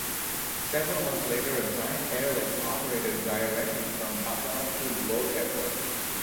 Several months later, a giant airlift operated directly from Baghdad to Lod Airport.